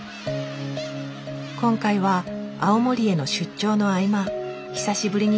今回は青森への出張の合間久しぶりに立ち寄ったんだって。